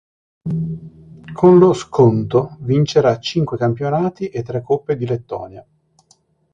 Con lo Skonto vincerà cinque campionati e tre Coppe di Lettonia.